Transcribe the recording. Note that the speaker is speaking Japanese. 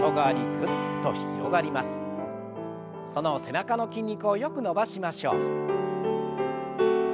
その背中の筋肉をよく伸ばしましょう。